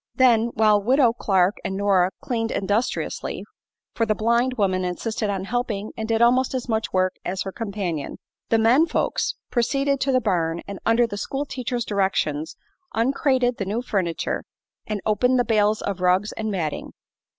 Then, while Widow Clark and Nora cleaned industriously for the blind woman insisted on helping and did almost as much work as her companion the "men folks" proceeded to the barn and under the school teacher's directions uncrated the new furniture and opened the bales of rugs and matting.